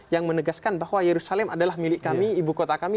yang menegaskan bahwa yerusalem adalah milik kami ibu kota kami